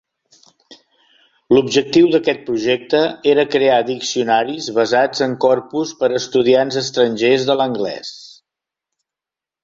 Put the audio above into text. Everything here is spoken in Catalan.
L'objectiu d'aquest projecte era crear diccionaris basats en corpus per a estudiants estrangers de l'anglès.